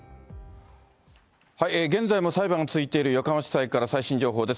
現在も裁判が続いている横浜地裁から最新情報です。